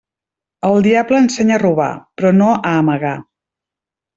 El diable ensenya a robar, però no a amagar.